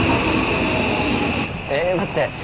えっ待って。